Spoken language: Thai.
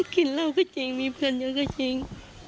กินเหล้าก็จริงมีเพื่อนเยอะก็จริง